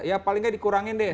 ya paling nggak dikurangin deh